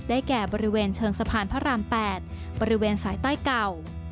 แก่บริเวณเชิงสะพานพระราม๘บริเวณสายใต้เก่า